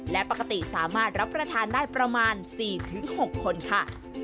และปกติสามารถรับประทานได้ประมาณ๔๖คนค่ะ